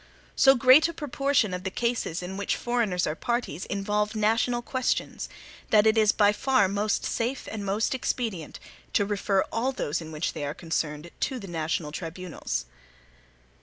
So great a proportion of the cases in which foreigners are parties, involve national questions, that it is by far most safe and most expedient to refer all those in which they are concerned to the national tribunals.